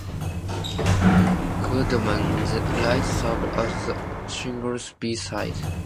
"Goddamn the Light" served as the single's b-side.